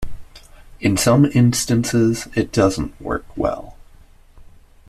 In some instances it doesn't work well.